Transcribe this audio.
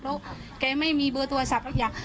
เพราะแกไม่มีเบอร์โทรศัพท์หรืออย่าง